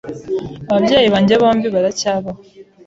Ababyeyi banjye bombi baracyabaho.